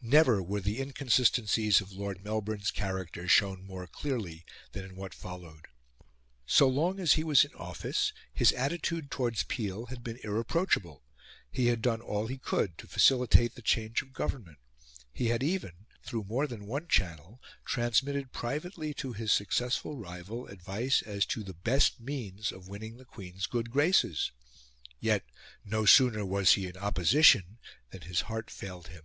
Never were the inconsistencies of Lord Melbourne's character shown more clearly than in what followed. So long as he was in office, his attitude towards Peel had been irreproachable; he had done all he could to facilitate the change of government, he had even, through more than one channel, transmitted privately to his successful rival advice as to the best means of winning the Queen's good graces. Yet, no sooner was he in opposition than his heart failed him.